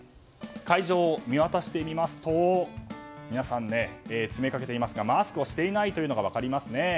会場を見渡してみますと皆さん、詰めかけていますがマスクをしていないのが分かりますね。